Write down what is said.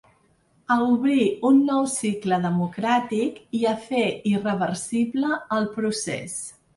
A obrir un nou cicle democràtic i a fer irreversible el procés.